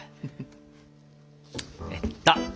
えっと。